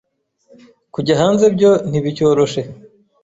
Kujya hanze byo ntibicyoroshe